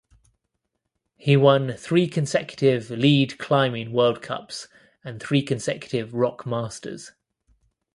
He won three consecutive Lead Climbing World Cups and three consecutive Rock Masters.